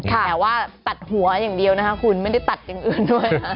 แต่ว่าตัดหัวอย่างเดียวนะคะคุณไม่ได้ตัดอย่างอื่นด้วยนะ